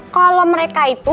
kalau mereka itu